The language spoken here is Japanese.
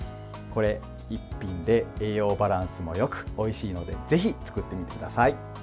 これ１品で栄養バランスもよくおいしいのでぜひ作ってみてください。